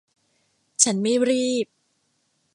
ฉันไม่รีบ